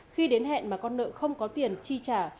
khi đến hẹn mà con nợ không có tiền chi trả